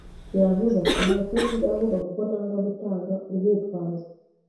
Yavuze ati: "Nta kindi nzavuga, kuko nanga gutanga urwitwazo."